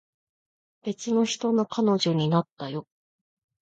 別の人の彼女になったよ